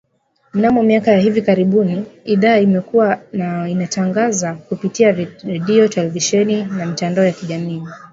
Mnamo miaka ya hivi karibuni idhaa imekua na inatangaza kupitia redio, televisheni na mitandao ya kijamii